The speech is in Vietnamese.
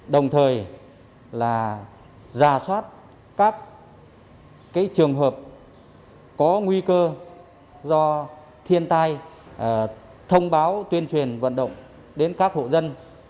đồng thời là giả soát các trường hợp có nguy cơ do thiên tai thông báo tuyên truyền vận động đến các hộ dân